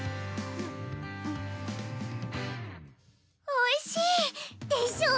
おいしい！でしょ？